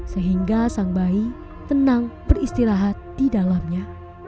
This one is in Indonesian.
sehingga sang bayi tenang beristirahat di dalamnya